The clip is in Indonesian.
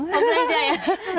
oh belanja ya